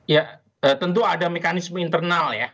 ya tentu ada mekanisme internal ya